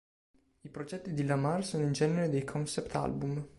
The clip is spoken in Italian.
I progetti di Lamar sono in genere dei concept album.